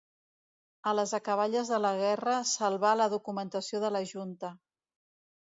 A les acaballes de la Guerra salvà la documentació de la Junta.